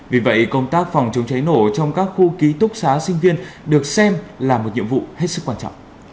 vì vậy công tác phòng chống cháy nổ trong các khu ký túc xá sinh viên được xem là một nhiệm vụ hết sức quan trọng